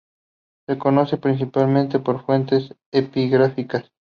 Se conoce principalmente por fuentes epigráficas.